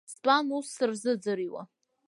Стәан ус сырзыӡырҩуа.